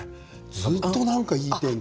ずっとなんかいい天気。